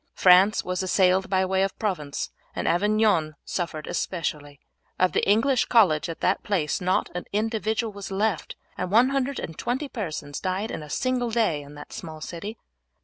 France was assailed by way of Provence, and Avignon suffered especially. Of the English college at that place not an individual was left, and 120 persons died in a single day in that small city.